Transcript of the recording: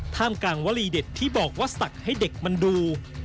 ท่ามกลางวลีเด็ดที่บอกว่าศักดิ์ให้เด็กมันดู